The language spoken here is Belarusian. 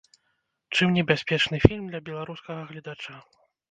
Чым небяспечны фільм для беларускага гледача?